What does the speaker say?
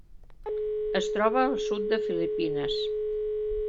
Es troba al sud de Filipines.